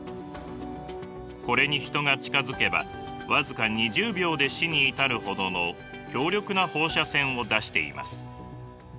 これに人が近づけば僅か２０秒で死に至るほどの強力な放射線を出しています。